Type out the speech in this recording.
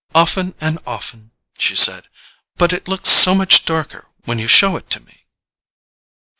"Often and often," she said. "But it looks so much darker when you show it to me!"